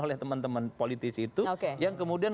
oleh teman teman politisi itu yang kemudian